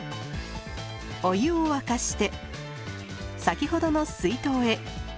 お湯を沸かして先ほどの水筒へ。